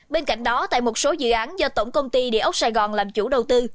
bên cạnh đó tại một số dự án do tổng công ty địa ốc sài gòn làm chủ đầu tư